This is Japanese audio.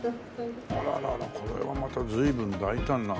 あらららこれはまた随分大胆な。